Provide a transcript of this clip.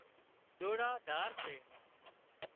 ڏورا ڌار سي